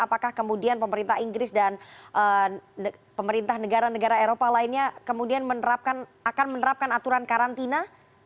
apakah kemudian pemerintah inggris dan pemerintah negara negara eropa lainnya kemudian akan menerapkan aturan karantina